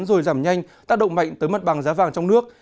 rồi giảm nhanh tác động mạnh tới mặt bằng giá vàng trong nước